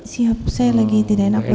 siap saya lagi tidak enak lagi